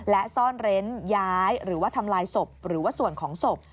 และซ่อนเร้นย้ายหรือว่าทำลายศพหรือว่าส่วนของศพ